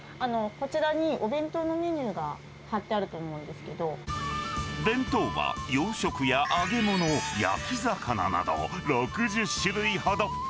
こちらにお弁当のメニューが弁当は洋食や揚げ物、焼き魚など、６０種類ほど。